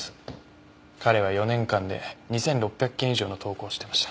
彼は４年間で２６００件以上の投稿をしてました。